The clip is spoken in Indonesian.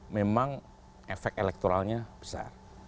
memang efek elektoralnya besar